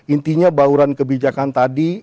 intinya bauran kebijakan tadi